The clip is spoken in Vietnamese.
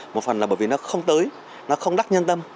một phần là bởi vì nó không tới nó không đắc nhân tâm